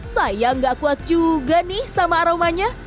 saya nggak kuat juga nih sama aromanya